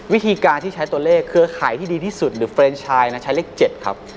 วิธีการที่ใช้ตัวเลขเครือข่ายที่ดีที่สุดหรือเฟรนชายนะใช้เลข๗ครับ